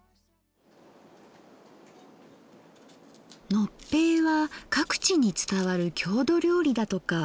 のっぺいは各地に伝わる郷土料理だとか。